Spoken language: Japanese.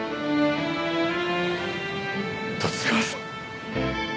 十津川さん